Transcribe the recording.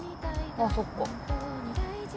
あっそっか。